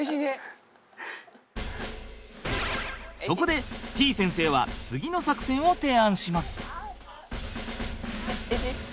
そこでてぃ先生は次の作戦を提案します。